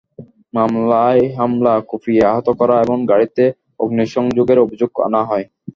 মামলায় হামলা, কুপিয়ে আহত করা এবং গাড়িতে অগ্নিসংযোগের অভিযোগ আনা হয়।